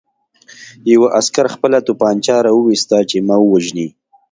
یوه عسکر خپله توپانچه را وویسته چې ما ووژني